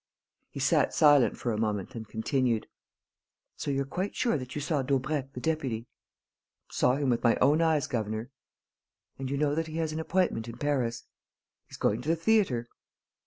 He sat silent for a moment and continued: "So you're quite sure that you saw Daubrecq the deputy?" "Saw him with my own eyes, governor." "And you know that he has an appointment in Paris?" "He's going to the theatre."